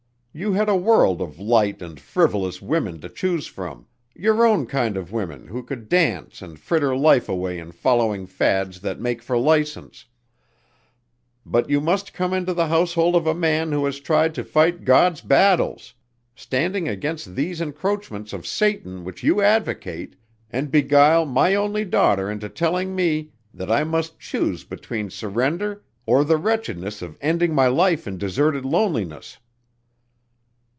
You had a world of light and frivolous women to choose from, your own kind of women who could dance and fritter life away in following fads that make for license but you must come into the household of a man who has tried to fight God's battles; standing against these encroachments of Satan which you advocate and beguile my only daughter into telling me that I must choose between surrender or the wretchedness of ending my life in deserted loneliness."